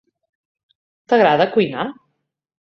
T'agrada cuinar?